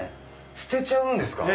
捨てちゃうんですか？